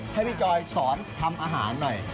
ให้พี่จอยสอนทำอาหารหน่อย